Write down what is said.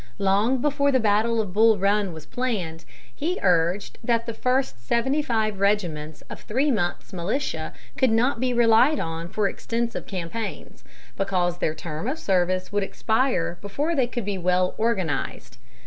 Long before the battle of Bull Run was planned, he urged that the first seventy five regiments of three months' militia could not be relied on for extensive campaigns, because their term of service would expire before they could be well organized.